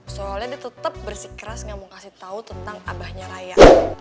soalnya dia tetap bersikeras gak mau kasih tahu tentang abahnya raya